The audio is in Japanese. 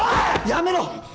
やめろ！